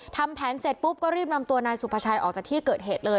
ทำแผนเสร็จปุ๊บก็รีบนำตัวนายสุภาชัยออกจากที่เกิดเหตุเลย